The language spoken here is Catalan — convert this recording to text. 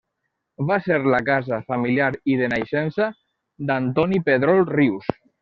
Va ser la casa familiar i de naixença d'Antoni Pedrol Rius.